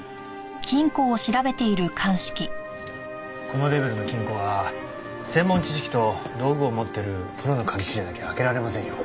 このレベルの金庫は専門知識と道具を持ってるプロの鍵師じゃなきゃ開けられませんよ。